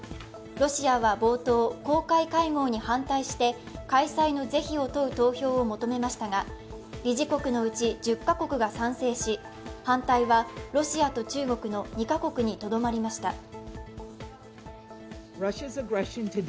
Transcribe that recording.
ロシアは冒頭、公開会合に反対して開催の是非を問う投票を求めましたが、理事国のうち１０カ国が賛成し、反対はロシアと中国の２カ国にとどまりました。